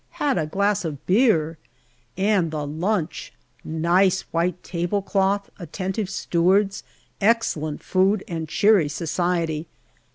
Had a glass of beer ! And the lunch ! Nice white tablecloth, attentive stewards, ex cellent food, and cheery society.